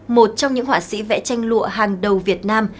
một trong những họa sĩ vẽ tranh lụa hàng đầu việt nam